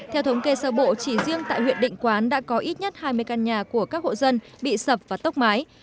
theo thống kê sơ bộ chỉ riêng tại huyện định quán đã có ít nhất hai mươi căn nhà của các hộ dân bị sập và tốc mái